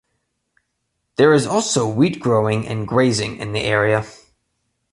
There is also wheat-growing and grazing in the area.